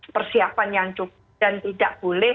persiapan yang cukup dan tidak boleh